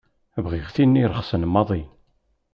Bɣiɣ tin irexsen maḍi.